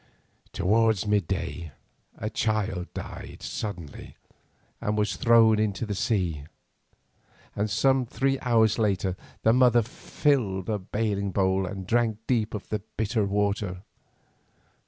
Towards mid day a child died suddenly and was thrown into the sea, and some three hours later the mother filled a bailing bowl and drank deep of the bitter water.